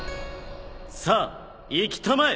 さあ行きたまえ。